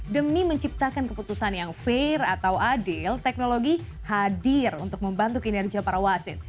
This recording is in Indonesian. demi menciptakan keputusan yang fair atau adil teknologi hadir untuk membantu kinerja para wasit